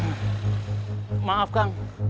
mungkin saya harus lihat situasi nanti